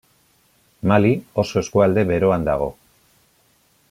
Mali oso eskualde beroan dago.